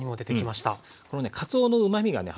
このねかつおのうまみがね入るとね